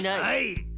はい。